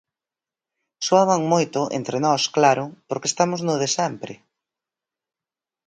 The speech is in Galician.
Soaban moito, entre nós, claro, porque estamos no de sempre.